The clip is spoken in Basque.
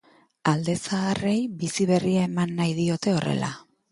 Alde zaharrarei bizi berria eman nahi diote horrela.